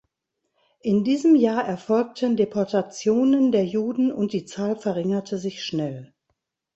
In diesem Jahr erfolgten Deportationen der Juden und die Zahl verringerte sich schnell.